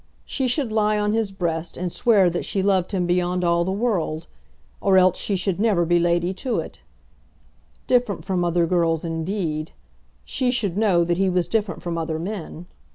She should lie on his breast and swear that she loved him beyond all the world; or else she should never be Lady Tewett. Different from other girls indeed! She should know that he was different from other men.